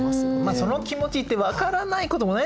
その気持ちって分からないこともないですけどね。